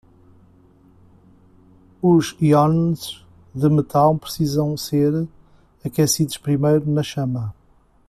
Os íons de metal precisam ser aquecidos primeiro na chama.